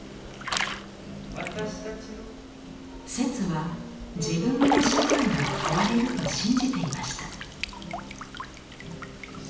摂は自分も社会も変われると信じていました。